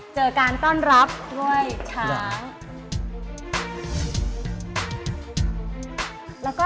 การต้อนรับด้วยช้าง